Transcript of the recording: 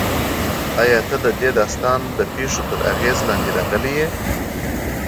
ایا ته د دې داستان د پېښو تر اغېز لاندې راغلی یې؟